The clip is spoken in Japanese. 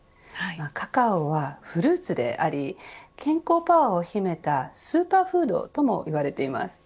カカオはフルーツであり健康パワーを秘めたスーパーフードともいわれています。